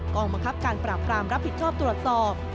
กองบังคับการปราบรามรับผิดชอบตรวจสอบ